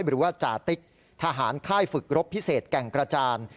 หรือว่าจาติ๊กทหารค่ายฝึกรบพิเศษแก่งกระจาน